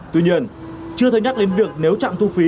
tuy nhiên chưa thấy nhắc đến việc nếu chặn thu phí